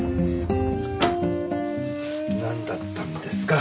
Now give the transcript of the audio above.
なんだったんですか？